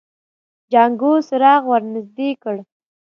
جانکو څراغ ور نږدې کړ.